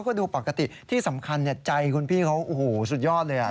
ก็ดูปกติที่สำคัญใจคุณพี่เขาโอ้โหสุดยอดเลย